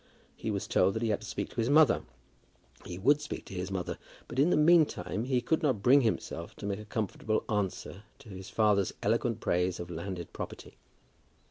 He was told that he had to speak to his mother. He would speak to his mother, but, in the meantime, he could not bring himself to make a comfortable answer to his father's eloquent praise of landed property.